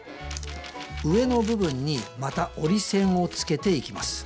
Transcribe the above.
上の部分にまた折り線をつけていきます